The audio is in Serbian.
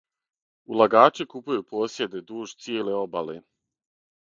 Улагачи купују посједе дуж цијеле обале.